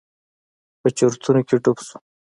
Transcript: په چورتونو کښې ډوب سوم.